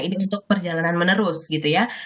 ini untuk perjalanan menerus gitu ya